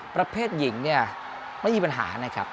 ประเภทหญิงเนี่ยไม่มีปัญหานะครับ